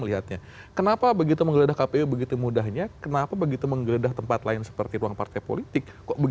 ini butuh kerjasama dari semua pihak